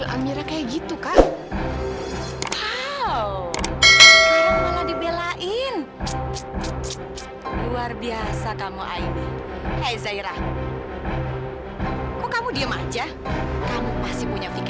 sampai jumpa di video selanjutnya